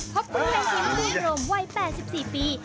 พบกับให้ชิมรุ่งโรมวัย๘๔ปี